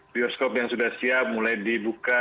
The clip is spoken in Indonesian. bioskop yang sudah siap mulai dibuka